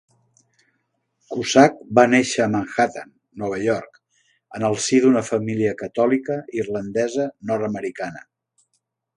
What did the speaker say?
Cusack va néixer a Manhattan, Nova York, en el si d'una família catòlica irlandesa nord-americana.